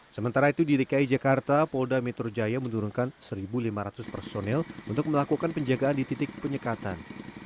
sementara itu di dki jakarta polda metro jaya menurunkan satu lima ratus personel untuk melakukan penjagaan di titik penyekatan